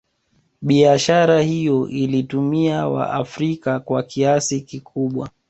Biashara hiyo ilitumia waafrika kwa kiasi kikubwa